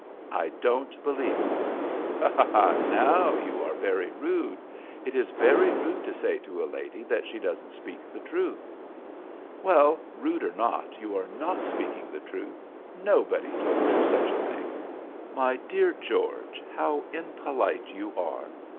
"I don't believe it." "Ha, ha! now you are very rude. It is very rude to say to a lady that she doesn't speak the truth." "Well, rude or not, you are not speaking the truth. Nobody told you such a thing." "My dear George, how impolite you are.